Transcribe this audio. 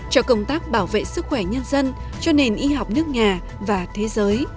cho công tác bảo vệ sức khỏe nhân dân cho nền y học nước nhà và thế giới